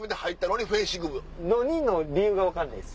「のに」の理由が分かんないっす。